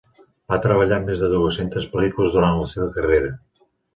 Va treballar en més de dues-centes pel·lícules durant la seva carrera.